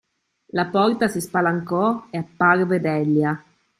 La porta si spalancò e apparve Delia.